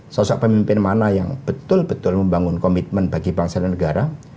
sosok pemimpin mana yang betul betul membangun komitmen bagi bangsa dan negara